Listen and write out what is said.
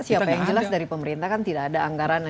siapa yang jelas dari pemerintah kan tidak ada anggaran